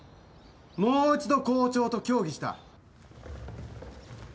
もう一度校長と協議した。